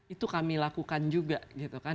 itu kami lakukan juga gitu kan